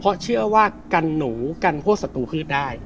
เพราะเชื่อว่ากันหนูกันพวกศัตรูพืชได้